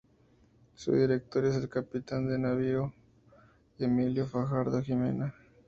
Su director es el capitán de navío Emilio Fajardo Jimena.